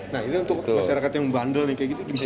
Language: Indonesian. nah ini untuk masyarakat yang bandel nih kayak gitu gimana